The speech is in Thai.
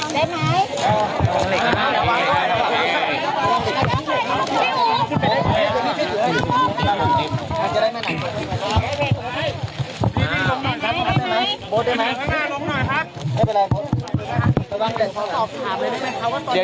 รอมันจะลำบากไหมอ่ะดีลำบากไหมดีลำบากไหม